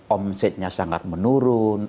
omsetnya sangat menurun